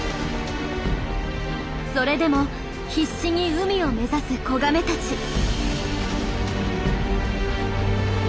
それでも必死に海を目指す子ガメたち。